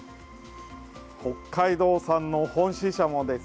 北海道産の本シシャモです。